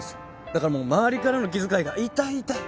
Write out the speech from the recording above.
だからもう周りからの気遣いが痛い痛い。